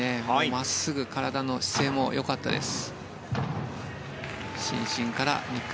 真っすぐ体の姿勢も良かったです。